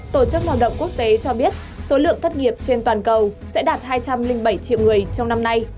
tổ chức lao động quốc tế cho biết số lượng thất nghiệp trên toàn cầu sẽ đạt hai trăm linh bảy triệu người trong năm nay